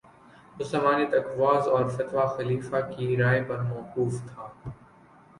اس زمانے تک وعظ اور فتویٰ خلیفہ کی رائے پر موقوف تھا